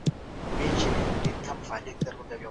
علم موږ ته د توحيد لاره ښيي.